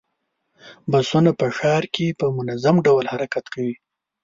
بسونه په ښار کې په منظم ډول حرکت کوي.